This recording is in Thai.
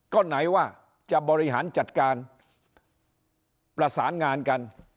ก็ไหนว่าจะบริหารจัดการประสานงานกัน